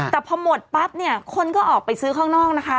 แต่พอหมดปั๊บเนี่ยคนก็ออกไปซื้อข้างนอกนะคะ